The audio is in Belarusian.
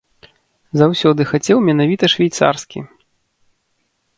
Заўсёды хацеў менавіта швейцарскі.